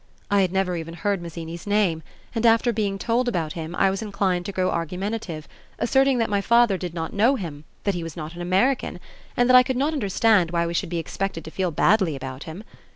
I had never even heard Mazzini's name, and after being told about him I was inclined to grow argumentative, asserting that my father did not know him, that he was not an American, and that I could not understand why we should be expected to feel badly about him.